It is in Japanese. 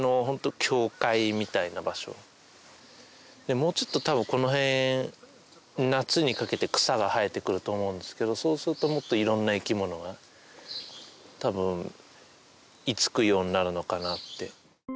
もうちょっと多分この辺夏にかけて草が生えてくると思うんですけどそうするともっといろんな生き物が多分居着くようになるのかなって。